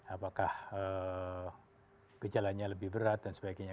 apakah gejalanya lebih berat dan sebagainya